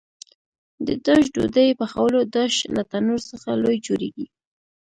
د داش ډوډۍ پخولو داش له تنور څخه لوی جوړېږي.